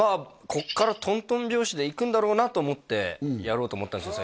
ここからトントン拍子でいくんだろうなと思ってやろうと思ったんですよ